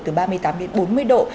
từ ba mươi tám đến bốn mươi độ